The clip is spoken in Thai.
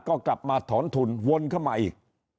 ก็กลับมาถอนทุนวนเข้ามาอีก